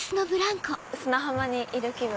砂浜にいる気分。